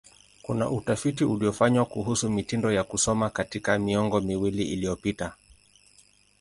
Kuna utafiti uliofanywa kuhusu mitindo ya kusoma katika miongo miwili iliyopita.